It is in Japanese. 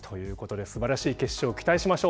素晴らしい決勝を期待しましょう。